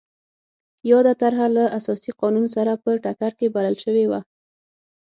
یاده طرحه له اساسي قانون سره په ټکر کې بلل شوې وه.